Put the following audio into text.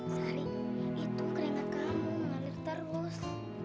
sari itu keringat kamu ngalir terus